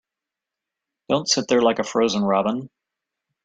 Don't sit there like a frozen robin.